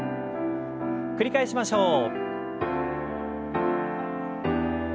繰り返しましょう。